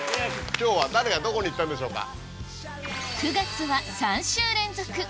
今日は誰がどこに行ったんでしょうか。